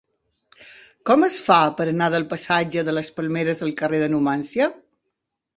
Com es fa per anar del passatge de les Palmeres al carrer de Numància?